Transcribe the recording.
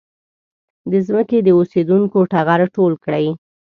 د ځمکې د اوسېدونکو ټغر ټول کړي.